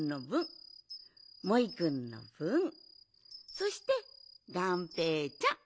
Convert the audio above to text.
そしてがんぺーちゃん。